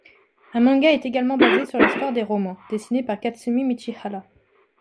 Un manga est également basé sur l'histoire des romans, dessiné par Katsumi Michihara.